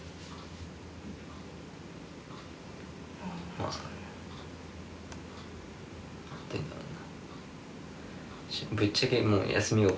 まあ何ていうんだろうな。